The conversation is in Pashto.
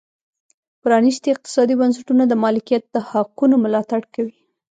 پرانیستي اقتصادي بنسټونه د مالکیت د حقونو ملاتړ کوي.